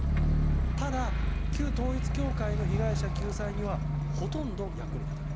ただ、旧統一教会の被害者救済にはほとんど役に立たない。